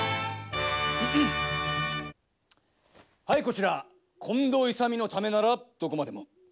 はいこちら近藤勇のためならどこまでも。